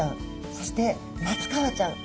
そしてマツカワちゃん。